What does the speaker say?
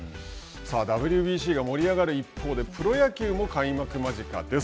ＷＢＣが盛り上がる一方でプロ野球も開幕間近です。